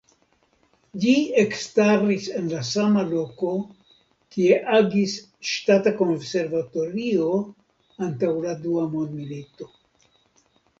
Ĝi ekstaris en la sama loko kie agis Ŝtata Konservatorio antaŭ la dua mondmilito.